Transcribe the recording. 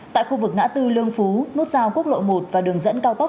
tại khu vực ngã tư lương phú nút giao quốc lộ một và đường dẫn cao tốc